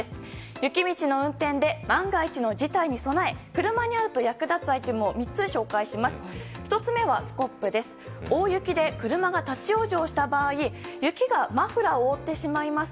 雪道の運転で万が一の事態に備え車にあると役立つアイテムを３つ紹介します。